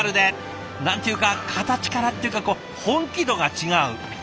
何て言うか形からっていうか本気度が違う。